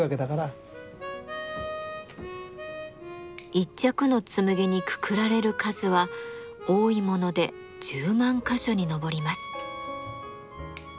一着の紬にくくられる数は多いもので１０万か所に上ります。